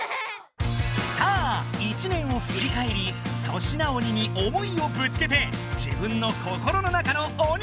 さあ１年をふりかえり粗品鬼に思いをぶつけて自分の心の中の鬼退治だ！